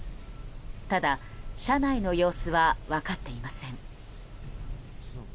ただ、車内の様子はわかっていません。